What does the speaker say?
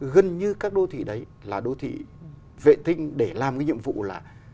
gần như các đô thị đấy là đô thị vệ tinh để làm cái nhiệm vụ là